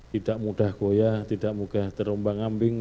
tidak mudah goyah tidak mudah terombang ambing